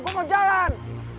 gue mau jalan